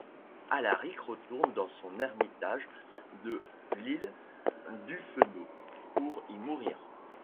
Alaric retourne dans son ermitage de l'île d'Ufenau pour y mourir.